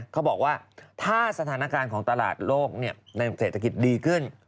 เขาบอกว่าถ้าสถานการณ์ของตลาดโลกในเศรษฐกิจดีขึ้น